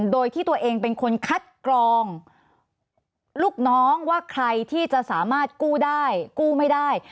โดยที่ตัวเองเป็นคนคัดกรองลูกน้องว่าใครที่จะสามารถกู้ได้กู้ไม่ได้